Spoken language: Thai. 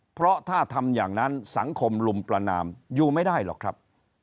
เพราะถ้าทำอย่างนั้นสังคมลุมประนามอยู่ไม่ได้หรอกครับ